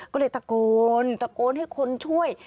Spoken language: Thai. ก็เลยตะโกนตะโกนให้คนช่วย